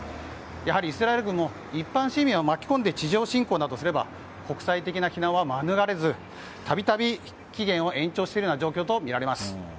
イスラエル軍も一般市民を巻き込んで地上侵攻などをすれば国際的な非難は免れずたびたび期限を延長している状況とみられます。